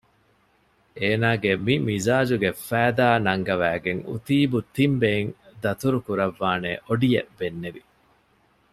އޭނާގެ މި މިޒާޖުގެ ފައިދާ ނަންގަވައިގެން އުތީބު ތިން ބެއިން ދަތުރު ކުރައްވާނޭ އޮޑިއެއް ބެންނެވި